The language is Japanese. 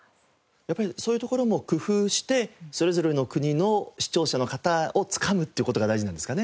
やっぱりそういうところも工夫してそれぞれの国の視聴者の方をつかむっていう事が大事なんですかね。